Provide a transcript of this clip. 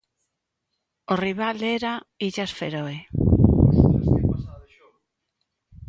O rival era Illas Feroe.